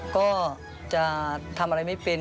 ก็จะทำอะไรไม่เป็น